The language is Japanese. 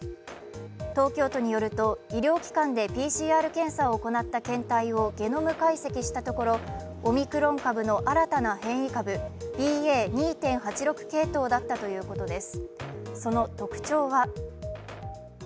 東京都によると医療機関でＰＣＲ検査を行った検体をゲノム解析したところオミクロン株の新たな変異株ＢＡ．２．８６系統だったということです。